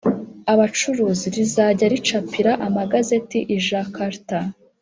abacuruzi rizajya ricapira amagazeti i Jakarta